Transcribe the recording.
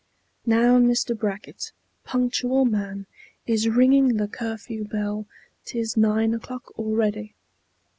Now Mr. Brackett, punctual man, is ringing The curfew bell; 't is nine o'clock already.